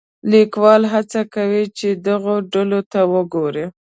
لیکوال هڅه کوي چې دغو ډلو ته وګوري.